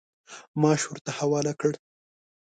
معاش ورته حواله کړ.